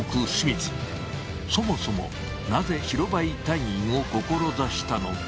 そもそもなぜ白バイ隊員を志したのか。